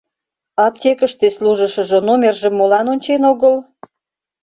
Аптекыште служышыжо номержым молан ончен огыл?